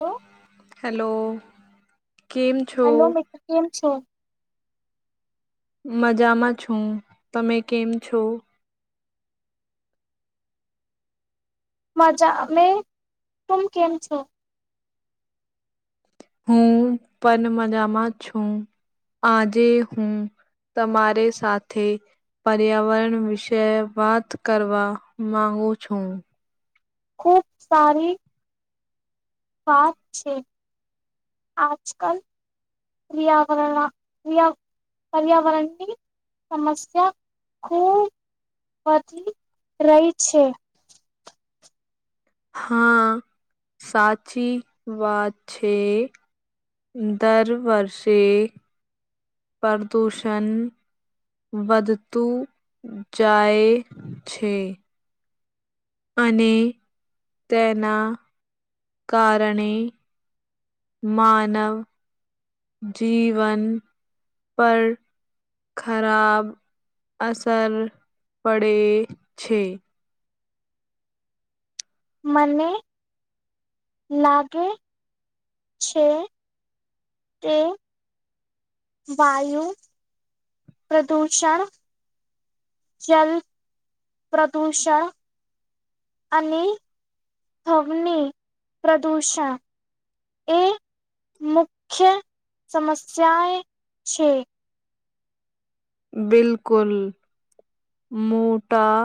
હો હેલો કેમ છો હલો મિત્ર કેમ છો. મજામાં છું તમે કેમ છો. મજા મેં તુંમ કેમ છો. હુપણ મજામાં છુ આજે હુ તમારે સાથે પર્યાવરણ વિશે વાત કરવા મામાંગુ છુ. ખૂબ સારી વાત છે આજ કલ વ્ર્યાકરણ ક્રિયા પર્યાવરણીની સમમસ્યા ખૂબ વધી રહી છે. હા સાચી વાત છે. દર વર્ષે પ્રદૂષણ વધતું જાય છે. અને તેના કારણે માનવ જીવન પર ખરાબ અસર પડે છે. મને લાગે છે કે વાયુ પ્રદૂષણ જલ પ્રદૂષણ અને અગ્નિ પ્રદૂષણ એ મુખ્ય સમસ્યાએ છે. બિલકુલ. મોટા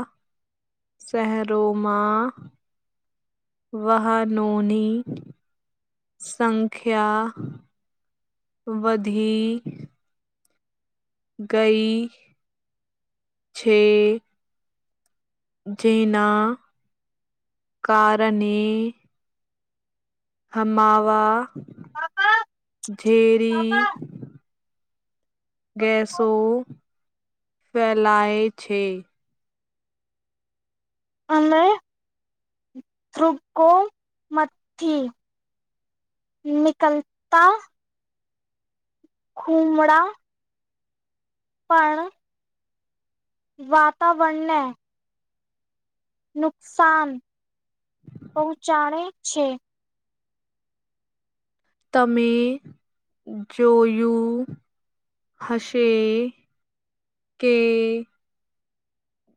શહેરોમાં વાહનોની સંખ્યા વધી ગઈ છે. જેના કારને હમાવા ઝેરી ગેસો ફેલાય છે. હમણે થ્રુકો મથી નીકલતા ખુમડા પણ વાતાવણ ને નુકસાન પહોંચાડે છે. તમે જોયું હશે કે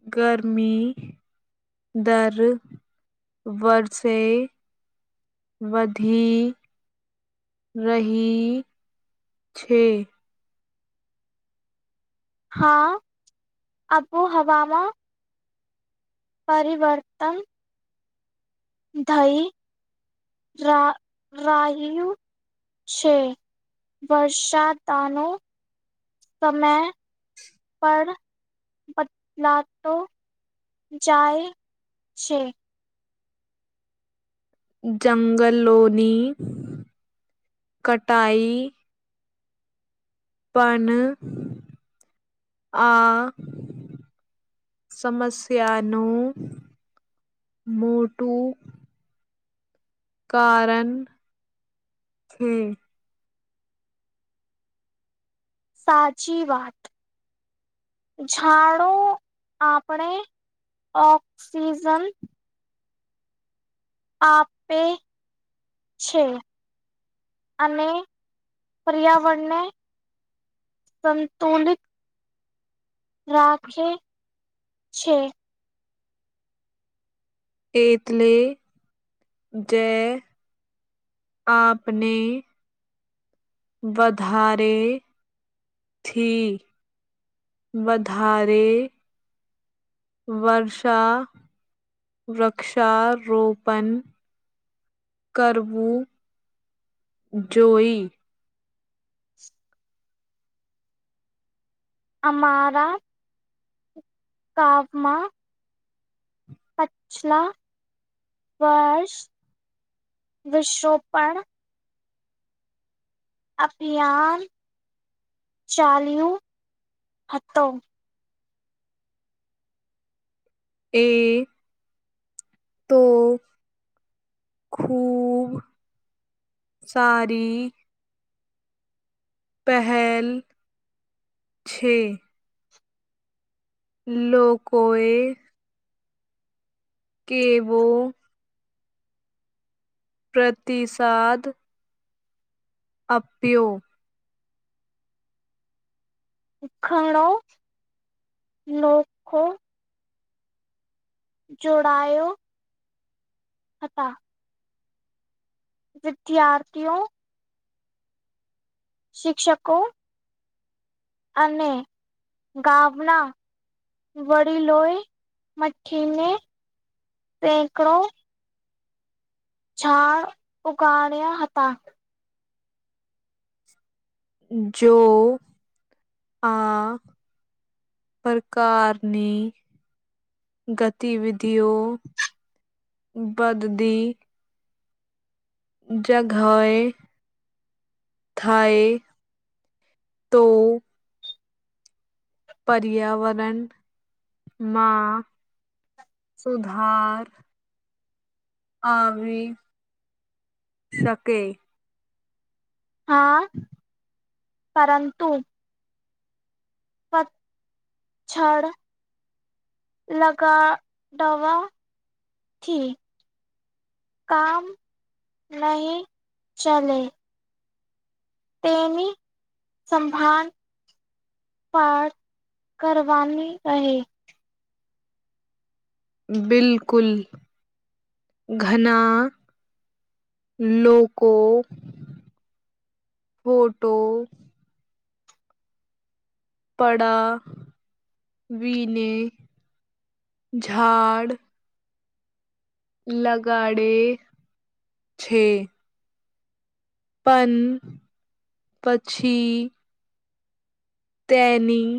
ગરમી દર વર્ષે વધી રહી છે. હા આબોહવામાં પરિવર્તન થઈ રા રાહ્યું છે. વર્ષાતાનું સમય પર બદલાતો જાય છે. જંગલોની કટાઈ પન આ સમસ્યાનું મોટું કારન છે. સાચી વાત. ઝાડો આપણે ઓક્સિજન આપે છે. અને પર્યાવરણને સંતુલિત રાખે છે. તેટલે જે આપને વધારે થી વધારે વર્ષા વૃક્ષારોપણ કરવું જોઈ. [inaudible] અમારા કાફમા પછલા વર્ષ વિશોપણ અભિયાન ચાલુ હતો. એ તો ખુબ સારી પહેલ છે. લોકોએ કેવો પ્રતિસાદ આપ્યો. ઘણો લોકો જોડાયો હતા. વિદ્યાર્થીઓ શિક્ષકો અને ગામના વડી લોય મઠીને સેકડો ઝાડ ઉગડ્યા હતા. જો આ પ્રકારની ગતિવિધિઓ બદદી જગા હૈ થાય તો પર્યાવરણ માં સુધાર આવી શકે. હા પરંતુ. પતજડ લગાડવાથી કામ નહીં ચલે. તેની સંભાન પાર કરવાની રહે. બિલકુલ ઘના લોકો ફોટો પડા વિને ઝાડ લગાડે છે. પણ પછી તેની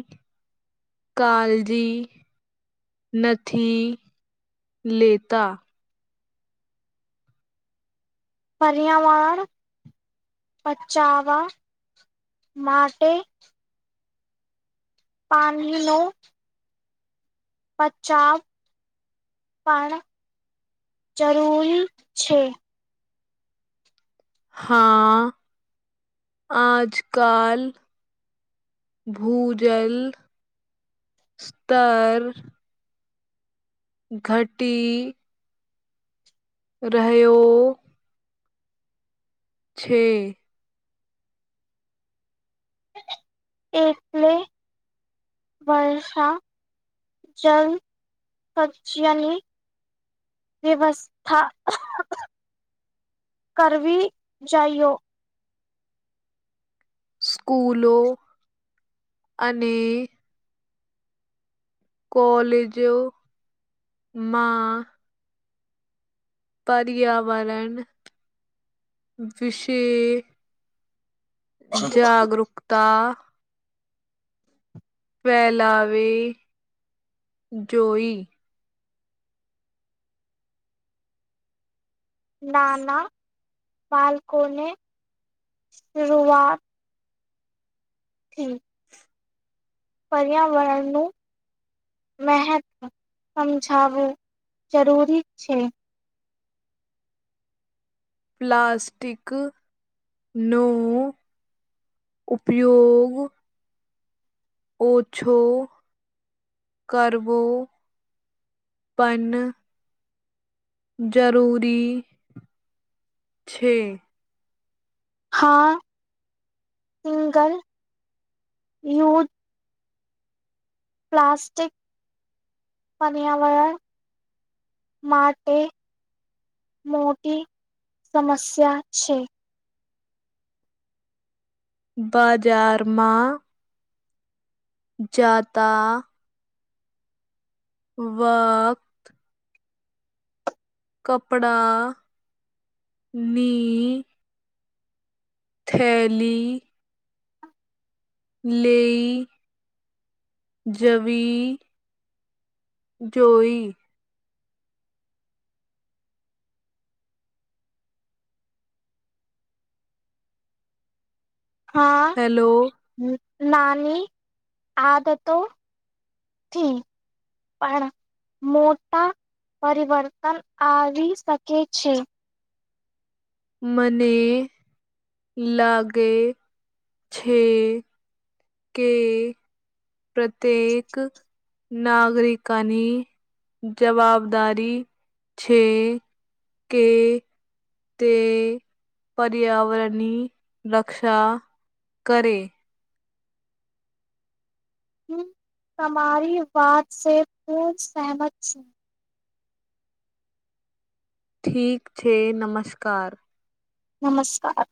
કાલજી નથી લેતા. પર્યાવરણ બચાવવા માટે પાણી [unintelligible] બચાવ પણ જરૂરી છે. હા આજ કાલ ભૂજલ સ્તર ઘટી રહ્યો છે. એકલે વર્ષ જલ સબ્જીયાની વ્યવસ્થા કરવી જાયઓ સ્કૂલો અને કોલેજમાં પર્યાવરણ વિશે જાગરુકતા ફેલાવે જોઈ નાના બાલકોને શરઆત ઠી પર્યાવરણનું મહત્વ સમજાવું જરૂરી છે પ્લાસ્ટિક નું ઉપયોગ ઓછો કરવો પન જરૂરી છે હા સિંગલ યુઝ પ્લાસ્ટિક પન્યાવરણ માટે મોટી સમસ્યા છે બાજારમાં જાતા વ કપડા ની થેલી લઈ જવી જોઈી હા હેલો નાની આદતો થી પણ મોટા પરિવર્તન આવી શકે છે મને લાગે છે કે પ્રત્યેક નાગરિકાની જવાબદારી છે કે તે પર્યાવરણી રક્ષા કરે. હું તમારી વાતસે ખૂબ સેહમત છું. ઠીક છે નમસ્કાર. નમસ્કાર.